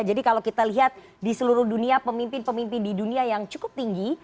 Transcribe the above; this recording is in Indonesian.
jadi kalau kita lihat di seluruh dunia pemimpin pemimpin di dunia yang cukup tinggi